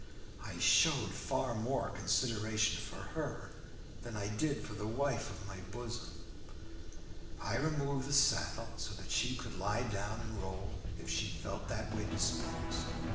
I showed far more consideration for her than I did for the wife of my bosom. I removed the saddle so that she could lie down and roll, if she felt that way disposed.